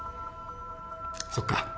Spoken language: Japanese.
そっか。